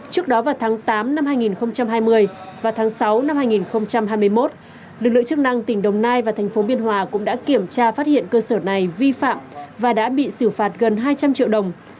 trước đó vào tháng tám năm hai nghìn hai mươi và tháng sáu năm hai nghìn hai mươi một lực lượng chức năng tỉnh đồng nai và thành phố biên hòa cũng đã kiểm tra phát hiện cơ sở này vi phạm và đã bị xử phạt gần hai trăm linh triệu đồng